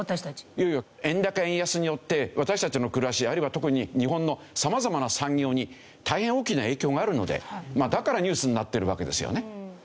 いやいや円高円安によって私たちの暮らしあるいは特に日本のさまざまな産業に大変大きな影響があるのでだからニュースになってるわけですよね。